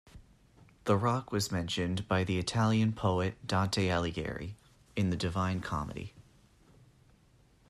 The rock was mentioned by the Italian poet Dante Alighieri in the "Divine Comedy".